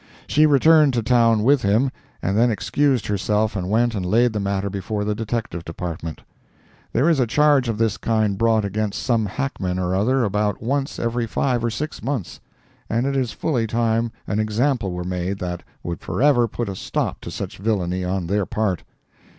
She returned to town with him, and then excused herself and went and laid the matter before the detective department. There is a charge of this kind brought against some hackman or other about once every five or six months, and it is fully time an example were made that would forever put a stop to such villainy on their part.